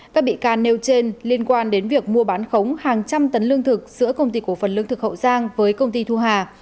các bị can nêu trên liên quan đến việc mua bán khống hàng trăm tấn lương thực giữa công ty cổ phần lương thực hậu giang với công ty thu hà